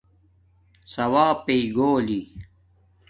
ثݸاپئ گھولی